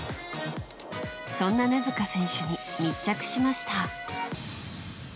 そんな根塚選手に密着しました。